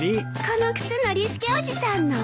この靴ノリスケおじさんの？